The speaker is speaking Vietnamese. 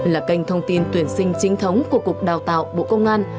là kênh thông tin tuyển sinh chính thống của cục đào tạo bộ công an